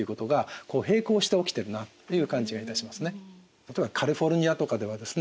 例えばカリフォルニアとかではですね